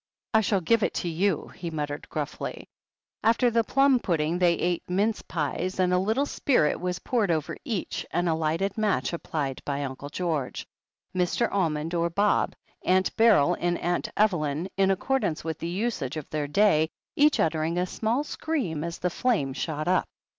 "I shall give it to you," he muttered gruffly. After the pltun pudding, they ate mince pies, and a little spirit was poured over each and a lighted match applied by Uncle George, Mr. Almond or Bob, Aunt Beryl and Aunt Evelyn, in accordance with the usage of their day, each uttering a small scream as the flame shot up.